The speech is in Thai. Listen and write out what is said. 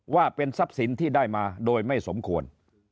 ว่าเป็นทรัพย์สินที่ได้มาโดยไม่สมควร